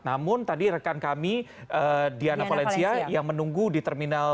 namun tadi rekan kami diana valencia yang menunggu di terminal